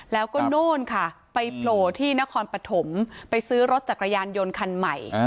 แล้วก็โน่นค่ะไปโผล่ที่นครปฐมไปซื้อรถจักรยานยนต์คันใหม่